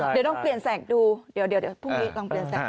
เดี๋ยวลองเปลี่ยนแสกดูเดี๋ยวพรุ่งนี้ลองเปลี่ยนแสง